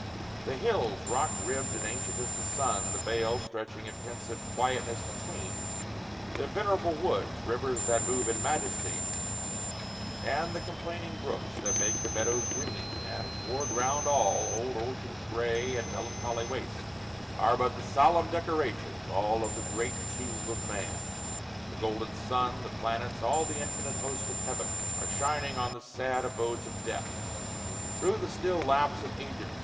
The hills Rock ribbed and ancient as the sun, the vales Stretching in pensive quietness between; The venerable woods rivers that move In majesty, and the complaining brooks That make the meadows green; and, poured round all, Old Ocean's gray and melancholy waste, Are but the solemn decorations all Of the great tomb of man. The golden sun, The planets, all the infinite host of heaven, Are shining on the sad abodes of death, Through the still lapse of ages.